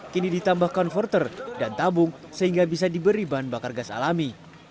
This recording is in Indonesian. kini ditambah konverter dan tabung sehingga bisa diberi bahan bakar gas alami